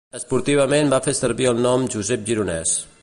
Esportivament va fer servir el nom Josep Gironès.